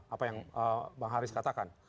apa yang bang haris katakan